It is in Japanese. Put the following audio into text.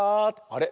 あれ？